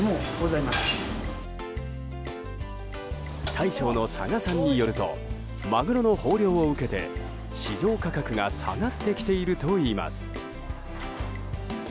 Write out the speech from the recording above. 大将の嵯峨さんによるとマグロの豊漁を受けて市場価格が下がってきているといいます。